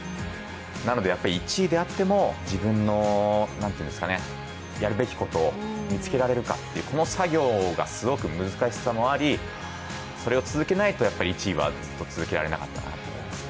なので１位であっても自分のやるべきことを見つけられるかという、この作業がすごく難しさもあり、それを続けないと１位はずっと続けられなかったかなと思いますね。